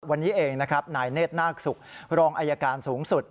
วันนี้เองนะครับนายเนธนาคศุกร์รองอายการสูงสุด